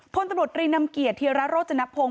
พลตนตรีนำเกียร์เทียระโรจนับพงษ์